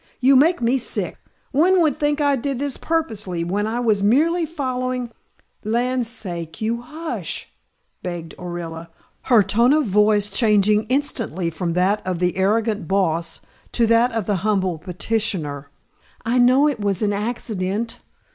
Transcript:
"You make me sick. One would think I did this purposely, when I was merely following " "Land sakes, you hush!" begged Orilla, her tone of voice changing instantly from that of the arrogant boss to that of the humble petitioner. "I know it was an accident."